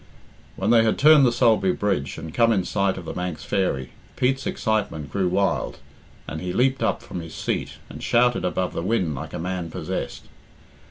When they had turned the Sulby Bridge, and come in sight of "The Manx Fairy," Pete's excitement grew wild, and he leaped up from his seat and shouted above the wind like a man possessed.